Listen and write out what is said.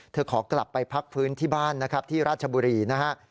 ขอกลับไปพักฟื้นที่บ้านนะครับที่ราชบุรีนะฮะ